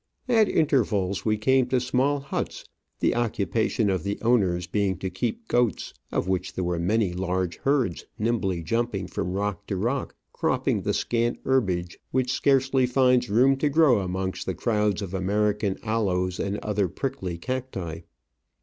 At intervals we came to small huts, the occupation of the owners being to keep goats, of which there were many large herds nimbly jumping from rock to rock, cropping the scant herbage Digitized by VjOOQIC ii6 Travels and Adventures which scarcely finds room to grow amongst the crowds pf American aloes and other prickly cacti.